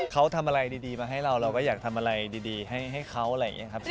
เขาทำอะไรดีมาให้เราเราก็อยากทำอะไรดีให้เขาอะไรอย่างนี้ครับ